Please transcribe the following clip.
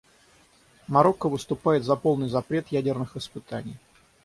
Марокко выступает за полный запрет ядерных испытаний.